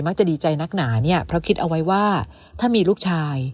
จะดีใจนักหนาเนี่ยเพราะคิดเอาไว้ว่าถ้ามีลูกชาย